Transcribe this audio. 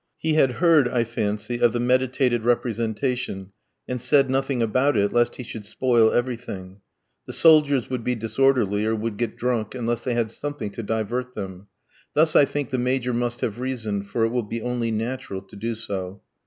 He had heard, I fancy, of the meditated representation, and said nothing about it, lest he should spoil everything. The soldiers would be disorderly, or would get drunk, unless they had something to divert them. Thus I think the Major must have reasoned, for it will be only natural to do so.